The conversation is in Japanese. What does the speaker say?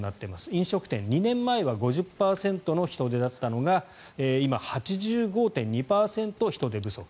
飲食店、２年前は５０％の人手だったのが今、８５．２％人手不足。